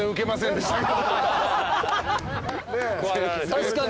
確かに。